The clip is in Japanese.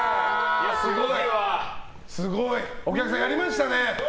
お客さん、やりましたね。